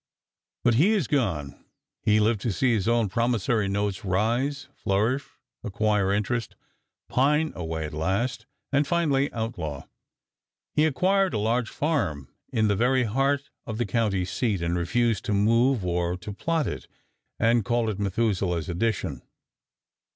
But he is gone. He lived to see his own promissory notes rise, flourish, acquire interest, pine away at last, and finally outlaw. He acquired a large farm in the very heart of the county seat, and refused to move or to plot it and call it Methuselah's addition.